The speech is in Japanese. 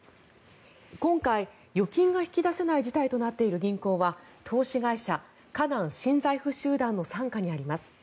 今回、預金が引き出せない事態となっている銀行は投資会社、河南新財富集団の傘下にあります。